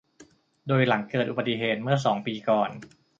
โดยหลังเกิดอุบัติเหตุเมื่อสองปีก่อน